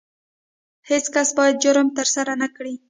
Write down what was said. هیڅ کس باید جرم ترسره نه کړي.